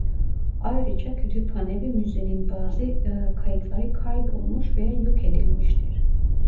Ayrıca kütüphane ve müzenin bazı kayıtları kaybolmuş veya yok edilmiştir.